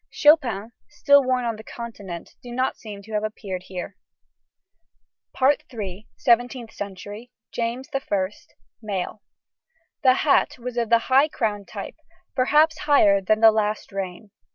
Chopins, still worn on the Continent, do not seem to have appeared here. SEVENTEENTH CENTURY. JAMES I. MALE. The hat was of the high crowned type, perhaps higher than in the last reign.